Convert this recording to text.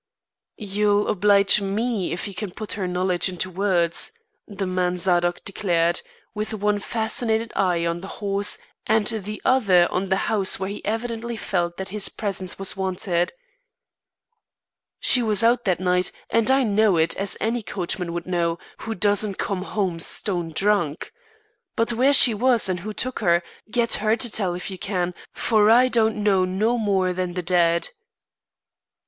"You'll oblige me if you can put her knowledge into words," the man Zadok declared, with one fascinated eye on the horse and the other on the house where he evidently felt that his presence was wanted. "She was out that night, and I know it, as any coachman would know, who doesn't come home stone drunk. But where she was and who took her, get her to tell if you can, for I don't know no more 'n the dead."